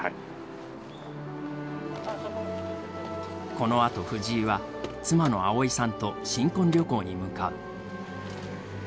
このあと藤井は妻の葵さんと新婚旅行に向かう。